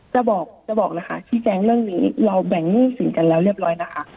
จะบอกจะบอกนะคะชี้แจงเรื่องนี้เราแบ่งหนี้สินกันแล้วเรียบร้อยนะคะ